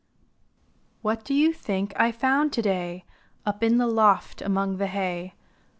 What do you think I found to day Up in the loft among the hay?